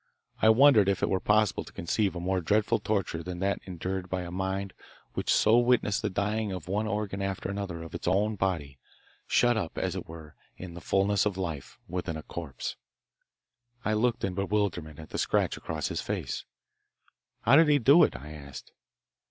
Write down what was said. I wondered if it were possible to conceive a more dreadful torture than that endured by a mind which so witnessed the dying of one organ after another of its own body, shut up, as it were, in the fulness of life, within a corpse. I looked in bewilderment at the scratch on his face. "How did he do it?" I asked.